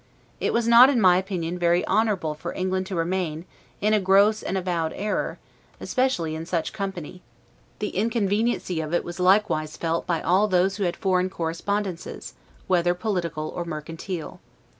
It was not, in my opinion, very honorable for England to remain, in a gross and avowed error, especially in such company; the inconveniency of it was likewise felt by all those who had foreign correspondences, whether political or mercantile.